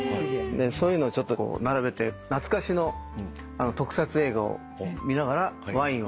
そういうの並べて懐かしの特撮映画を見ながらワインを飲むと。